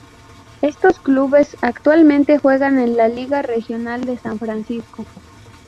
Estos clubes actualmente juegan en la Liga Regional de San Francisco.